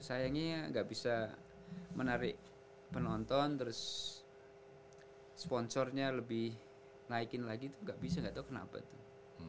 sayangnya nggak bisa menarik penonton terus sponsornya lebih naikin lagi tuh gak bisa nggak tahu kenapa tuh